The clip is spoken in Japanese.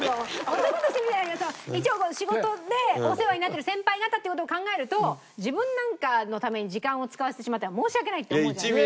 男として見てないけど一応仕事でお世話になってる先輩方っていう事を考えると自分なんかのために時間を使わせてしまっては申し訳ないって思うじゃないですか。